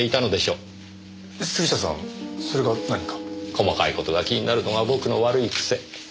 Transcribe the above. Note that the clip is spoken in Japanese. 細かい事が気になるのが僕の悪い癖。